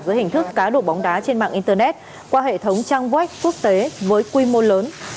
dưới hình thức cá độ bóng đá trên mạng internet qua hệ thống trang web quốc tế với quy mô lớn